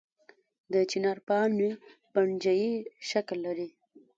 د چنار پاڼې پنجه یي شکل لري